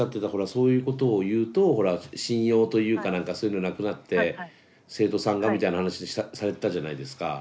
「そういうことを言うとほら信用というか何かそういうのなくなって生徒さんが」みたいな話されてたじゃないですか？